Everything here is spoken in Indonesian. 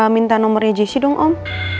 minta nomornya jessi dong om